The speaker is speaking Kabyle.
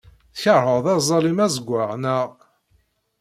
Tkeṛheḍ aẓalim azegzaw, naɣ?